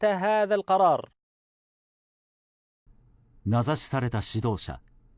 名指しされた指導者。